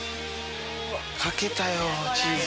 かけたよチーズ。